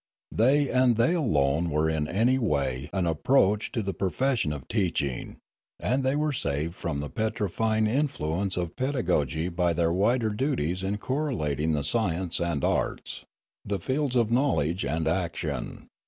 They and they alone were in any way an approach to the profession of teaching, and they were saved from the petrifying influence of pedagogy by their wider duties in correlating the sciences and arts, the fields of knowledge and action.